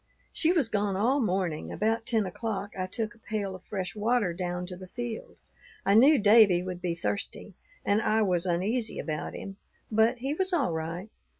"She was gone all morning. About ten o'clock, I took a pail of fresh water down to the field. I knew Davie would be thirsty, and I was uneasy about him, but he was all right.